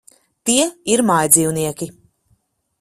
Tie ir mājdzīvnieki.